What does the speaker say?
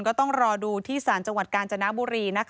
ก็ต้องรอดูที่ศาลจังหวัดกาญจนบุรี